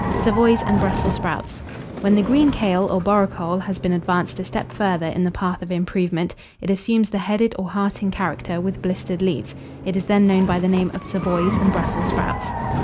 SAVOYS AND BRUSSELS SPROUTS. When the Green Kale, or Borecole, has been advanced a step further in the path of improvement, it assumes the headed or hearting character, with blistered leaves; it is then known by the name of Savoys and Brussels Sprouts.